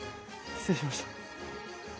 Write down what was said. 失礼しました。